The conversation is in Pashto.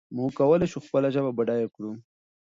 موږ کولای شو خپله ژبه بډایه کړو.